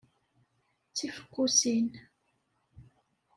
D tifeqqusin.